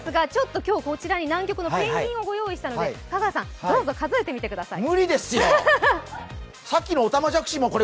こちらに南極のペンギンを用意したので香川さんどうぞ数えてみてください。